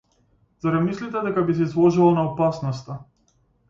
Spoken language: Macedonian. Зарем мислите дека би се изложувал на опасноста?